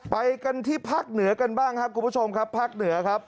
ไปกันที่ภาคเหนือกันบ้างครับคุณผู้ชมครับภาคเหนือครับ